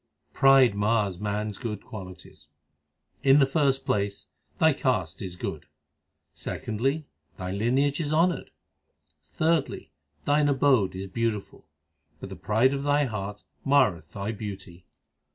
Pride mars man s good qualities : In the first place, thy caste is good ; Secondly, thy lineage is honoured ; Thirdly, thine abode is beautiful ; But the pride of thy heart marreth thy beauty.